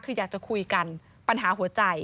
คืออยากจะคุยกันปัญหาหัวใจ